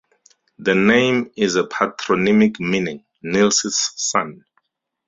The name is a patronymic meaning "Nils's son".